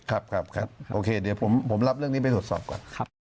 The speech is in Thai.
ครับครับโอเคเดี๋ยวผมรับเรื่องนี้ไปตรวจสอบก่อน